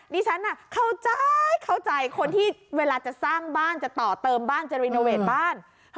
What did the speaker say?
ฉันเข้าใจเข้าใจคนที่เวลาจะสร้างบ้านจะต่อเติมบ้านจะรีโนเวทบ้าน